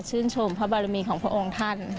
ชมพระบารมีของพระองค์ท่าน